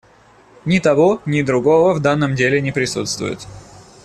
Ни того, ни другого в данном деле не присутствует.